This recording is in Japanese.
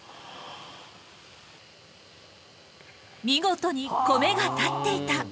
見事に米が立っていた。